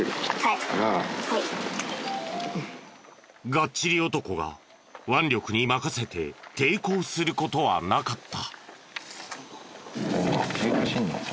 ガッチリ男が腕力に任せて抵抗する事はなかった。